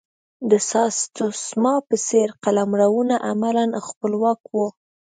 د ساتسوما په څېر قلمرونه عملا خپلواک وو.